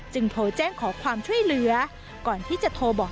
โทรแจ้งขอความช่วยเหลือก่อนที่จะโทรบอก